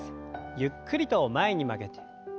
ゆっくりと前に曲げて。